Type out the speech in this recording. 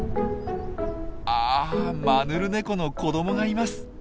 あマヌルネコの子どもがいます。